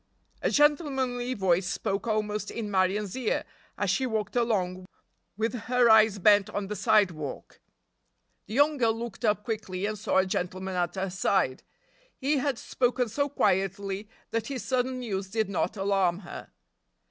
A gentlemanly voice spoke almost in Marion's ear as she walked along, with her eyes bent on the sidewalk. The young girl looked up quickly and saw a gentleman at her side. He had spoken so quietly that his sudden news did not alarm her.